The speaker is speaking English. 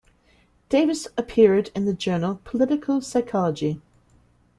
Davis appeared in the journal "Political Psychology".